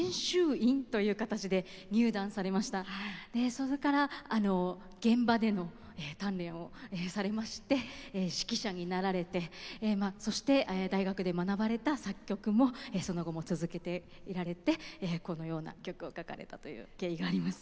それから現場での鍛錬をされまして指揮者になられてそして大学で学ばれた作曲もその後も続けていられてこのような曲を書かれたという経緯があります。